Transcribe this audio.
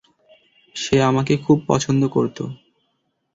সে আমাকে খুব পছন্দ করতো।